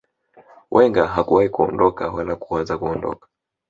wenger hakuwahi kuondoka wala kuwaza kuondoka